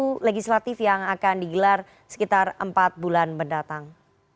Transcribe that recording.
pemilu legislatif yang akan digelar sekitar empat bulan mendatang